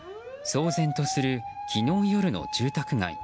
騒然とする、昨日夜の住宅街。